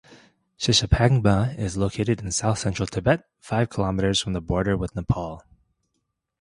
Shishapangma is located in south-central Tibet, five kilometres from the border with Nepal.